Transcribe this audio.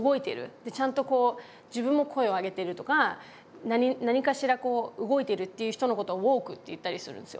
でちゃんとこう自分も声をあげてるとか何かしら動いてるっていう人のことをＷｏｋｅって言ったりするんですよ。